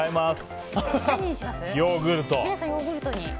ヨーグルト。